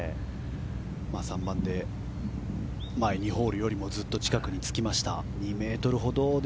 ３番で前２ホールよりも近くにつけました。